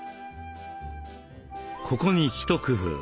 ここに一工夫。